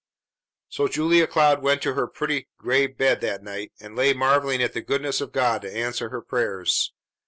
So Julia Cloud went to her pretty gray bed that night, and lay marvelling at the goodness of God to answer her prayers.